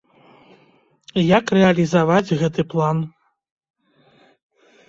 Як рэалізаваць гэты план?